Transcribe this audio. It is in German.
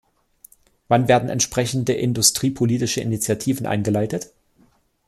Wann werden entsprechende industriepolitische Initiativen eingeleitet?